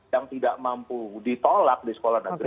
yang tidak mampu ditolak di sekolah negeri